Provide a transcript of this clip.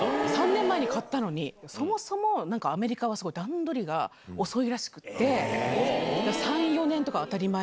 ３年前に買ったのに、そもそもなんかアメリカはすごい段取りが遅いらしくて、３、うそ。